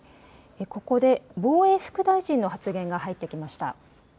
ここで防衛副大臣の発言が入ってきました。